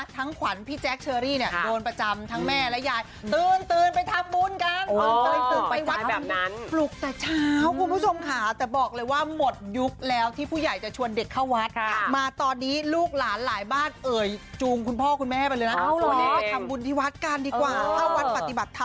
ทั้งขวันพี่แจ๊กเชอรี่